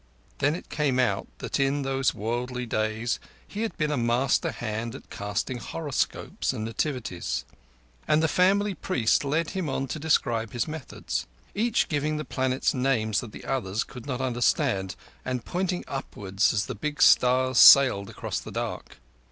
Then it came out that in those worldly days he had been a master hand at casting horoscopes and nativities; and the family priest led him on to describe his methods; each giving the planets names that the other could not understand, and pointing upwards as the big stars sailed across the dark.